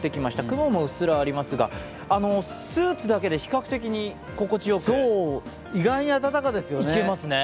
雲もうっすらありますが、スーツだけで比較的心地よくて、いけますね。